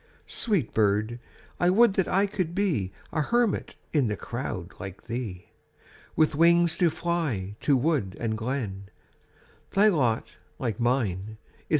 a (89) Sweet bird ! I would that I could be A hermit in the crowd like thee ! With wings to fly to wood and glen, Thy lot, like mine, is